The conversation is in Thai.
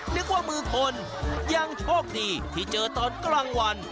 นึกว่ามือคนยังโชคดีที่เจอตอนกลางวัน